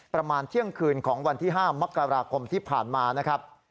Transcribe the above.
ประมาณเที่ยงคืนของวันที่๕มกราคมที่ผ่านมานะครับ